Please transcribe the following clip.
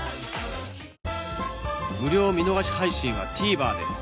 無料見逃し配信は ＴＶｅｒ で